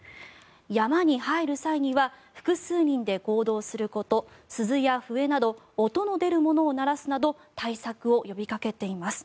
山に入る際には複数人で行動すること鈴や笛など音の出るものを鳴らすなど対策を呼びかけています。